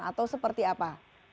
atau seperti apa